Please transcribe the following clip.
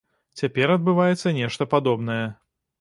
Цяпер адбываецца нешта падобнае.